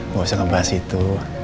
gak usah ngebahas itu